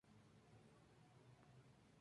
El nombre se lo dio en honor a su hijo John.